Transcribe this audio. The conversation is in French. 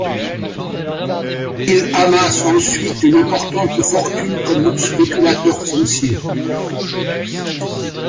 Il amasse ensuite une importante fortune comme spéculateur foncier.